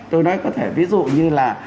tôi nói có thể ví dụ như là